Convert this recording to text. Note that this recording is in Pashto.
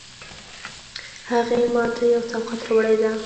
هغې ما ته یو سوغات راوړی ده